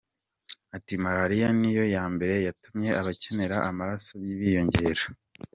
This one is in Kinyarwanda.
Ati “Malaria niyo ya mbere yatumye abakenera amaraso biyongera.